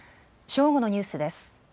正午のニュースです。